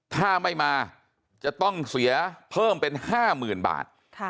ถ้าไม่มาจะต้องเสียเพิ่มเป็น๕๐๐๐บาท